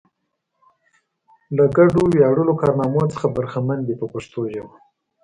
له ګډو ویاړلو کارنامو څخه برخمن دي په پښتو ژبه.